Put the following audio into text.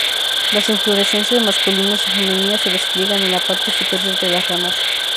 Las inflorescencias masculinas y femeninas se despliegan en la parte superior de las ramas.